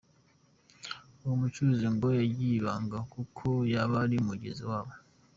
Uwo mucuruzi ngo yagira ibanga kuko yaba ari mugenzi wabo.